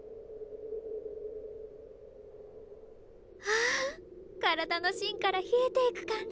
あ体のしんから冷えていく感じ！